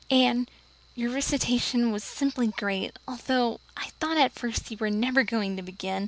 Anne, your recitation was simply great, although I thought at first you were never going to begin.